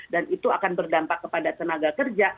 itu akan berdampak kepada tenaga kerja